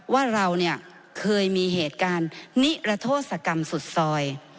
ว่าเราเนี่ยเคยมีเหตุการณ์นิรโทษกรรมสุดซอย